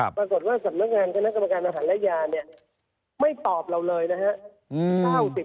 ปรากฏว่าสำนักงานคณะกรรมการอาหารระยะเนี่ยไม่ตอบเราเลยนะฮะ